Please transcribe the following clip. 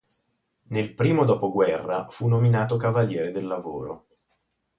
Nel primo dopoguerra fu nominato cavaliere del lavoro.